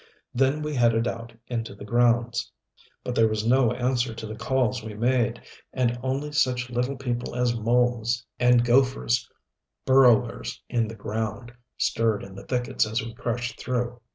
Then we headed out into the grounds. But there was no answer to the calls we made, and only such little people as moles and gophers, burrowers in the ground, stirred in the thickets as we crushed through.